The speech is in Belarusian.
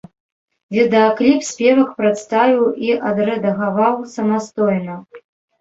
Відэакліп спевак прадставіў і адрэдагаваў самастойна.